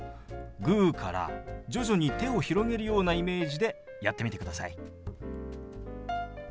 グーから徐々に手を広げるようなイメージでやってみてください。